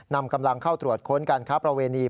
นำกำลังเข้าตรวจค้นการค้าประเวณี